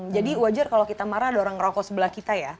jadi wajar kalau kita marah ada orang rokok sebelah kita ya